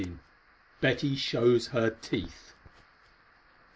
BETTY SHOWS HER TEETH.